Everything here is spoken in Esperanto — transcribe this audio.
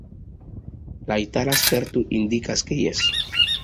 La itala sperto indikas, ke jes.